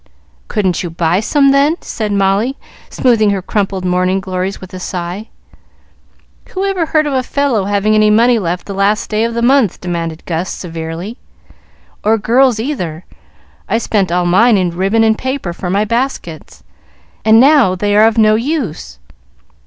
"Couldn't you buy some, then?" said Molly, smoothing her crumpled morning glories, with a sigh. "Who ever heard of a fellow having any money left the last day of the month?" demanded Gus, severely. "Or girls either. I spent all mine in ribbon and paper for my baskets, and now they are of no use.